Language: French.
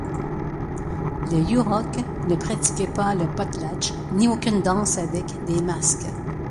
Les Yuroks ne pratiquaient pas le Potlatch, ni aucune danse avec des masques.